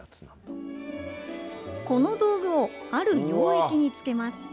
この道具を、ある溶液につけます。